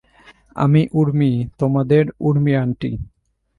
আমি উর্মি, তোমাদের উর্মি আন্টি।